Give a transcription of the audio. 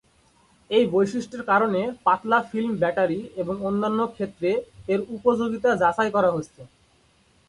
এই বৈশিষ্ট্যের কারণে পাতলা ফিল্ম ব্যাটারি এবং অন্যান্য ক্ষেত্রে এর উপযোগিতা যাচাই করা হচ্ছে।